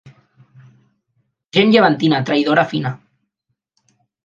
Gent llevantina, traïdora fina.